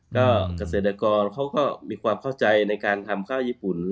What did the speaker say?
ก็เกษตรกรเขาก็มีความเข้าใจในการทำข้าวญี่ปุ่น